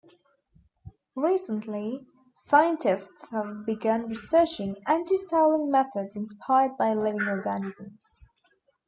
Recently, scientists have begun researching antifouling methods inspired by living organisms.